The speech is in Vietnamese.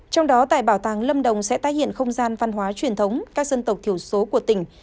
trong đó tại bảo tàng lâm đồng sẽ tái hiện không gian văn hóa truyền thống các dân tộc thiểu số của tỉnh